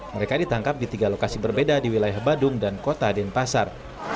mereka ditangkap di tiga lokasi berbeda di wilayah badung dan kota denpasar